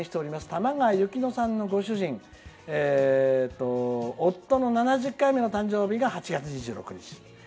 たまがわゆきのさんのご主人夫の７０回目の誕生日が８月２６日。